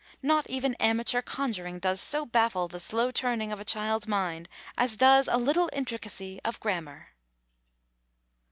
Not even amateur conjuring does so baffle the slow turning of a child's mind as does a little intricacy of grammar.